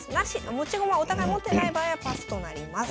持ち駒お互い持ってない場合はパスとなります。